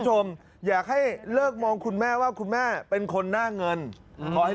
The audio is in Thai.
ชมอยากให้เลิกมองคุณแม่ว่าคุณแม่เป็นคนหน้าเงินขอให้